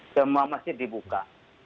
semua masjid dibuka